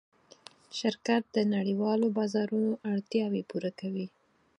شرکت د نړۍوالو بازارونو اړتیاوې پوره کوي.